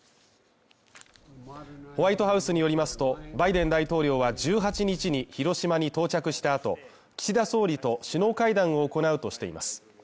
ホワイトハウスによりますと、バイデン大統領は１８日に広島に到着した後、岸田総理と首脳会談を行うとしています。